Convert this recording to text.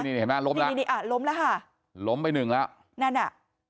นี่นี่นี่ลบแล้วอ่ะล้มแล้วค่ะล้มไปหนึ่งแล้วนั่นอะ